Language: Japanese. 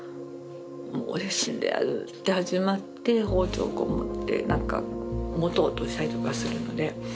もう俺死んでやるって始まって包丁こう持って何か持とうとしたりとかするので。